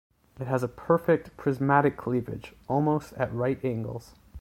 It has a perfect, prismatic cleavage, almost at right angles.